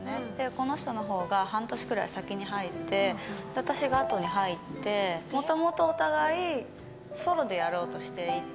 この人のほうが半年くらい先に入って、私があとに入って、もともとお互い、ソロでやろうとしていて。